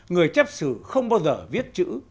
người chấp xử không bao giờ viết chữ